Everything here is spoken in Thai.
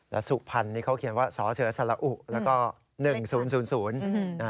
และสุภัณฑ์เขาเขียนว่าสเชศรอุแล้วก็๑๐๐๐